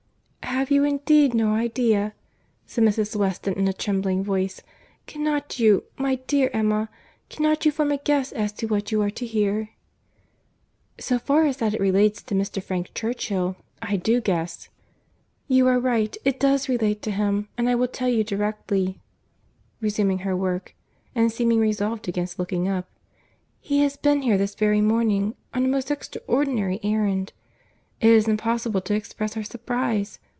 "Have you indeed no idea?" said Mrs. Weston in a trembling voice. "Cannot you, my dear Emma—cannot you form a guess as to what you are to hear?" "So far as that it relates to Mr. Frank Churchill, I do guess." "You are right. It does relate to him, and I will tell you directly;" (resuming her work, and seeming resolved against looking up.) "He has been here this very morning, on a most extraordinary errand. It is impossible to express our surprize.